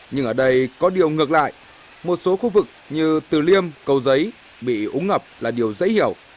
nhưng ở đây có điều ngược lại một số khu vực như từ liêm cầu giấy bị úng ngập là điều dễ hiểu